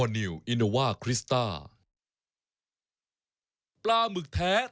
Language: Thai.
ไม่ต้องเก็บพี่ปล่อยทุกวันนะ